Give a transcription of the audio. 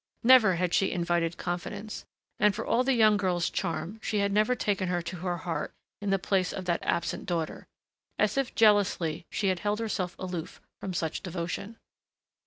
Never had she invited confidence, and for all the young girl's charm she had never taken her to her heart in the place of that absent daughter. As if jealously she had held herself aloof from such devotion.